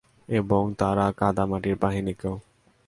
এবং, তার কাদামাটির বাহিনীকেও!